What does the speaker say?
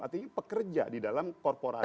artinya pekerja di dalam korporasi